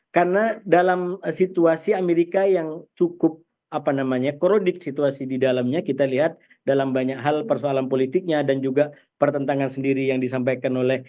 karena dalam situasi amerika yang cukup krodik situasi di dalamnya kita lihat dalam banyak hal persoalan politiknya dan juga pertentangan sendiri yang disampaikan oleh